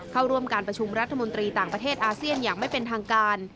เข้าร่วมการประชุมรัฐมนตรีต่างประเทศอาเซียนอย่างไม่เป็นทางการ